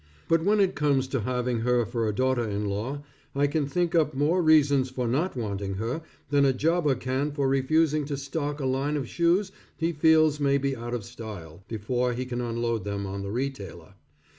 But when it comes to having her for a daughter in law, I can think up more reasons for not wanting her, than a jobber can for refusing to stock a line of shoes he feels may be out of style, before he can unload them on the retailer.